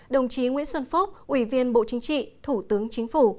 đồng chí nguyễn xuân phúc ủy viên bộ chính trị thủ tướng chính phủ